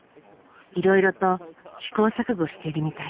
いろいろと試行錯誤してるみたい。